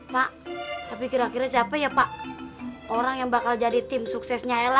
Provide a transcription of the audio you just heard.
pak tapi kira kira siapa ya pak orang yang bakal jadi tim suksesnya ella